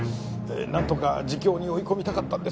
なんとか自供に追い込みたかったんですが。